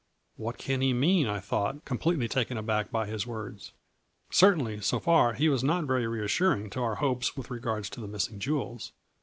What can he mean, I thought, completely taken aback by his words. Certainly, so far he was not very reassuring to our hopes with regard to the missing jewels.